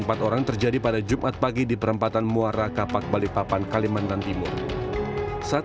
empat orang terjadi pada jumat pagi di perempatan muara kapak balikpapan kalimantan timur saat